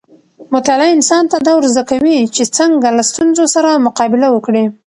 مطالعه انسان ته دا ورزده کوي چې څنګه له ستونزو سره مقابله وکړي.